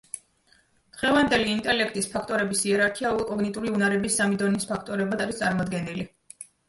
დღევანდელი ინტელექტის ფაქტორების იერარქია უკვე კოგნიტიური უნარების სამი დონის ფაქტორებად არის წარმოდგენილი.